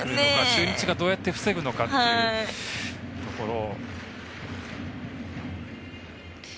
中日がどうやって防ぐのかというところを。